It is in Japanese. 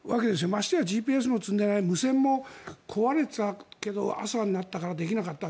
ましてやＧＰＳも積んでいない無線も壊れていたけど朝になったからできなかった。